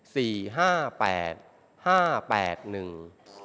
สี่ห้าแปดห้าแปดหนึ่ง